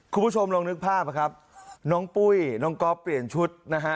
คุณผู้ชมลองนึกภาพนะครับน้องปุ้ยน้องก๊อฟเปลี่ยนชุดนะฮะ